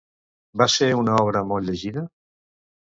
Va ser una obra molt llegida?